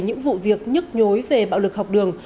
những vụ việc nhức nhối về bạo lực học đường